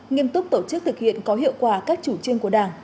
nghiêm túc tổ chức thực hiện có hiệu quả các chủ trương của đảng